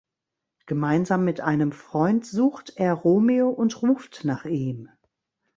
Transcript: Gemeinsam mit einem Freund sucht er Romeo und ruft nach ihm.